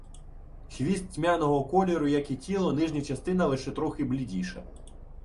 Хвіст тьмяного кольору, як і тіло, нижня частина лише трохи блідіша.